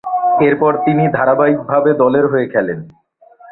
এরপর তিনি ধারাবাহিকভাবে দলের হয়ে খেলেন।